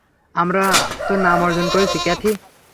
আমরা তো নাম অর্জন করেছি, ক্যাথি।